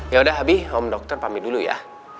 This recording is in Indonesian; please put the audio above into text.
ya udah abi om dokter pamit dulu ya